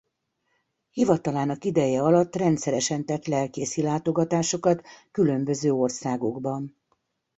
Hivatalának ideje alatt rendszeresen tett lelkészi látogatásokat különböző országokban.